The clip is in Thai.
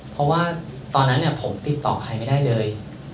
เพราะว่าตอนนั้นผมติดต่อใครไม่ได้เลย